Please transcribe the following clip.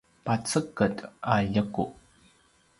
paceged a ljequ